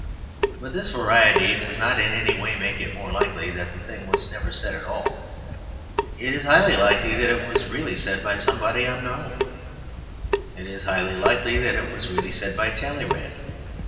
But this variety does not in any way make it more likely that the thing was never said at all. It is highly likely that it was really said by somebody unknown. It is highly likely that it was really said by Talleyrand.